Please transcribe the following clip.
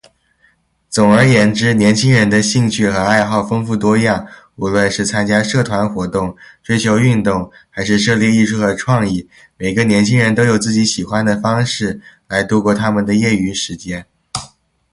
总而言之，年轻人的兴趣和爱好丰富多样。无论是参加社团活动、追求运动，还是涉猎艺术和创意，每个年轻人都有自己喜欢的方式来度过他们的业余时间。